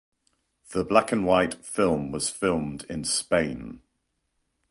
The black-and-white film was filmed in Spain.